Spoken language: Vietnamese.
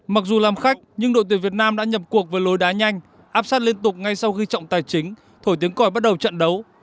mặc dù làm khách nhưng đội tuyển việt nam đã nhập cuộc với lối đá nhanh áp sát liên tục ngay sau khi trọng tài chính thổi tiếng còi bắt đầu trận đấu